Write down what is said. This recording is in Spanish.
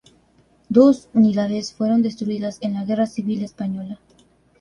Dos unidades fueron destruidas en la guerra civil española.